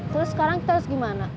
terus sekarang kita harus gimana